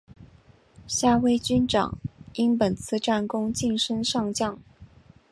夏威军长因本次战功晋升上将。